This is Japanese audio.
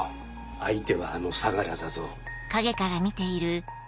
相手はあの相楽だぞ。